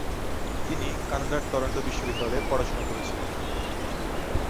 তিনি কানাডার টরন্টো বিশ্ববিদ্যালয়ে পড়াশোনা করেছিলেন।